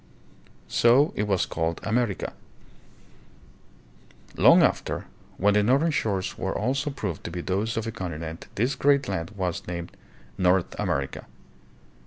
So it was called "America." Long after, when the northern shores were also proved to be those of a continent/this great land was named "North America."